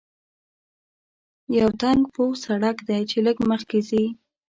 یو تنګ پوخ سړک دی چې لږ مخکې ځې.